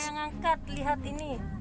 gak ada yang angkat lihat ini